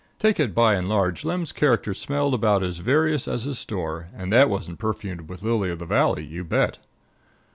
Take it by and large, Lem's character smelled about as various as his store, and that wasn't perfumed with lily of the valley, you bet.